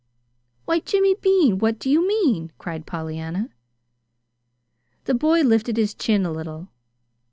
"Why, Jimmy Bean, what do you mean?" cried Pollyanna. The boy lifted his chin a little.